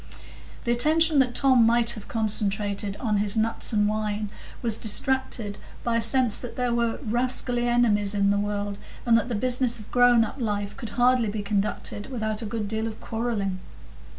The attention that Tom might have concentrated on his nuts and wine was distracted by a sense that there were rascally enemies in the world, and that the business of grown up life could hardly be conducted without a good deal of quarrelling.